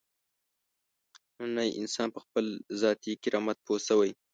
نننی انسان په خپل ذاتي کرامت پوه شوی.